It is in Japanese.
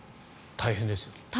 大変です。